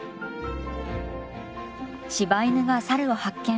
柴犬がサルを発見！